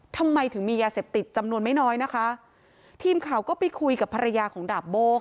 ทำไมถึงมียาเสพติดจำนวนไม่น้อยนะคะทีมข่าวก็ไปคุยกับภรรยาของดาบโบ้ค่ะ